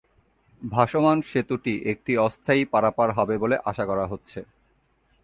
ভাসমান সেতুটি একটি অস্থায়ী পারাপার হবে বলে আশা করা হচ্ছে।